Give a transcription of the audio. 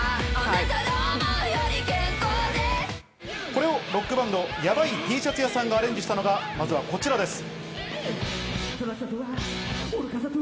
これもロックバンド・ヤバイＴシャツ屋さんがアレンジしたのがまずはこちらです。